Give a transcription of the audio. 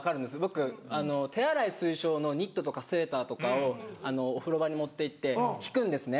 僕手洗い推奨のニットとかセーターとかをお風呂場に持っていって敷くんですね。